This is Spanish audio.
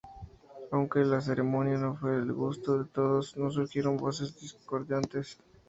Aunque la ceremonia no fue del gusto de todos, no surgieron voces discordantes.